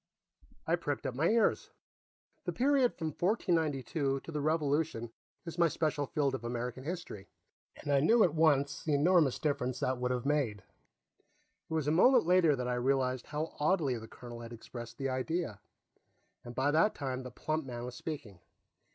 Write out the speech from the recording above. I pricked up my ears. The period from 1492 to the Revolution is my special field of American history, and I knew, at once, the enormous difference that would have made. It was a moment later that I realized how oddly the colonel had expressed the idea, and by that time the plump man was speaking.